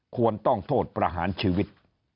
ควรต้องโทษประหารชีวิต